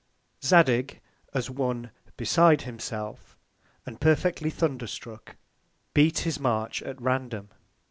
Zadig, as one beside himself, and perfectly thunder struck, beat his March at random.